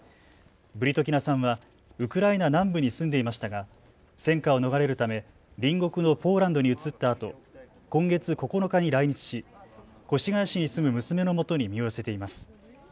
ブリトキナさんはウクライナ南部に住んでいましたが戦火を逃れるため隣国のポーランドに移ったあと今月９日に来日し越谷市に住む娘のもとに身を寄せています。